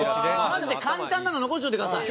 マジで簡単なの残しておいてください。